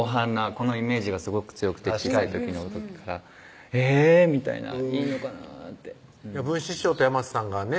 このイメージがすごく強くてえぇみたいないいのかなって文枝師匠と山瀬さんがね